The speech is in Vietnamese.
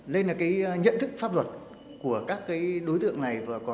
nên là cái nhận thức pháp luật của các đối tượng này còn rất là hạn chế